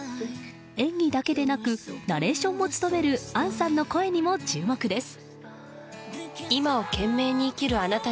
演技だけでなく、ナレーションも務める杏さんの声にも注目です。